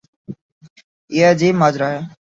یہ عجیب ماجرا ہے۔